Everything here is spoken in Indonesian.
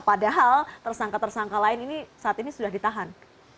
padahal tersangka tersangka lain ini saat ini sudah ditahan